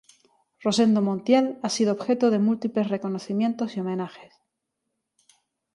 Rosendo Montiel ha sido objeto de múltiples reconocimientos y homenajes.